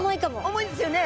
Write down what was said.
重いですよね！